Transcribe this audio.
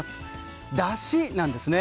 だしなんですね。